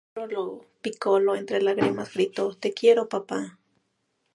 Sandro Lo Piccolo, entre lágrimas, gritó "Te quiero papá!